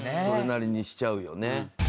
それなりにしちゃうよね。